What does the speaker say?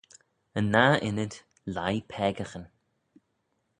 Yn nah ynnyd, leih peccaghyn.